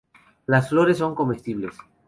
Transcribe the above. Las flores son comestibles.